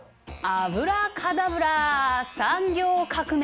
アブラカダブラ産業革命